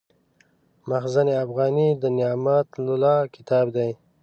مخزن افغاني د نعمت الله کتاب دﺉ.